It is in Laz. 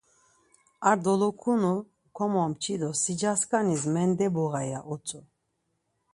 Ar dolokunu komomçi do sicaskanis mendebuğa ya utzu.